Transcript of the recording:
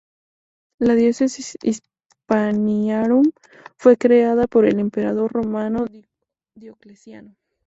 La "Diocesis Hispaniarum" fue creada por el emperador romano Diocleciano.